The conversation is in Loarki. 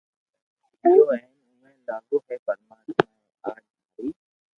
گيو ھين اووا لاگو اي پرماتما اج ٿي ماري